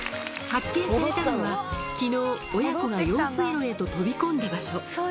発見されたのは、きのう親子が用水路へと飛び込んだ場所。